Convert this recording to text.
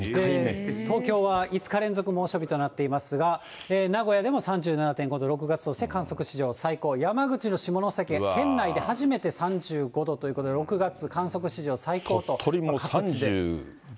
東京は５日連続猛暑日となっていますが、名古屋でも３７．５度、６月として観測史上最高、山口の下関、県内で初めて３５度ということで、６月観測史上最高と。